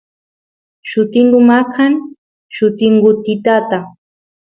llutingu maqan llutingutitata